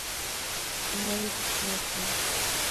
Nëid ismequin